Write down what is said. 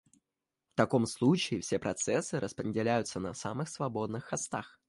В таком случае все процессы распределяются на самых свободных хостах